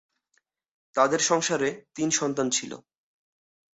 তাদের সংসারে তিন সন্তান ছিল।